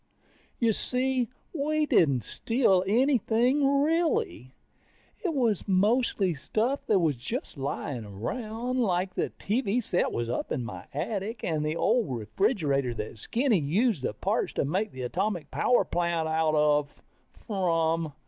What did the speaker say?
You see, we didn't steal anything, really. It was mostly stuff that was just lying around. Like the TV set was up in my attic, and the old refrigerator that Skinny used the parts to make the atomic power plant out of from.